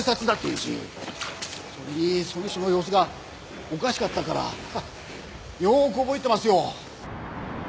それにその人の様子がおかしかったからよく覚えてますよ。